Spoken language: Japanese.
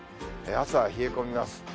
朝は冷え込みます。